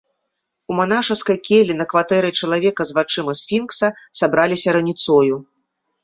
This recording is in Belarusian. У манашаскай келлі на кватэры чалавека з вачыма сфінкса сабраліся раніцою.